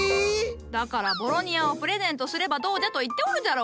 だからボロニアをプレゼントすればどうじゃと言っておるじゃろ？